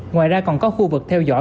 ngoài ra còn có khu vực theo dõi